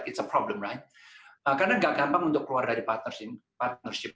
karena tidak gampang untuk keluar dari partner